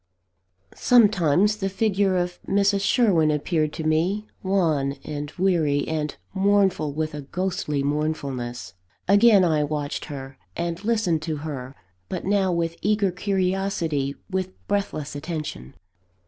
Sometimes, the figure of Mrs. Sherwin appeared to me, wan and weary, and mournful with a ghostly mournfulness. Again I watched her, and listened to her; but now with eager curiosity, with breathless attention.